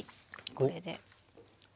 これで。